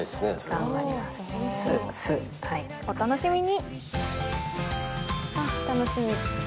お楽しみに。